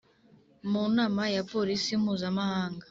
Mu nama ya Polisi mpuzamahanga